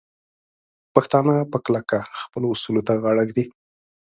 پښتانه په کلکه خپلو اصولو ته غاړه ږدي.